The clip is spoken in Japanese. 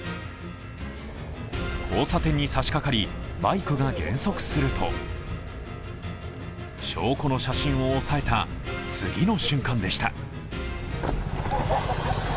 交差点に差しかかり、バイクが減速すると証拠の写真を抑えた次の瞬間でした。